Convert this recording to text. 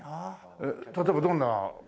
例えばどんな方。